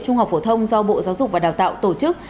trung học phổ thông do bộ giáo dục và đào tạo tổ chức